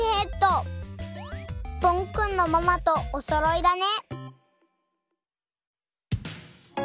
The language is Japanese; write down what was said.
ぽんくんのママとおそろいだね。